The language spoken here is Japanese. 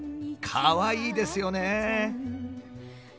かわいいですよね。